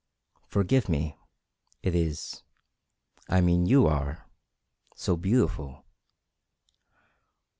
"Forgive me. It is I mean you are so beautiful."